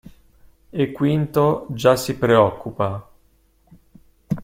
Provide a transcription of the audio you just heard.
E Quinto già si preoccupa…